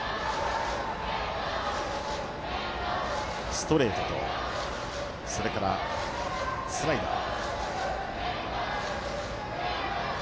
ストレートとそれからスライダー。